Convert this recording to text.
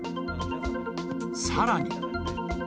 さらに。